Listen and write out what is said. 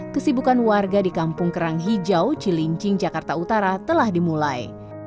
kesibukan warga di kampung kerang hijau cilincing jakarta utara telah dimulai